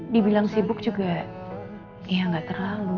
dibilang sibuk juga ya nggak terlalu